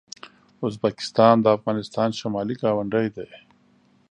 ازبکستان د افغانستان شمالي ګاونډی دی.